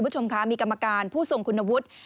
คุณผู้ชมครับมีกรรมการผู้ส่งคนระวุธ